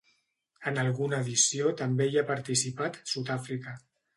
En alguna edició també hi ha participat Sud-àfrica.